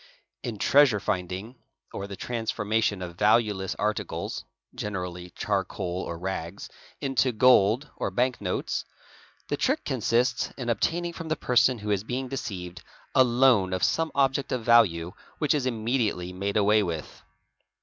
In treasure finding or the trans formation of valueless articles (generally charcoal or rags) into gold or banknotes, the trick consists in obtaining from the person who is being ae = S R eae, Sota te deceived a loan of some object of value, which is immediately made away with.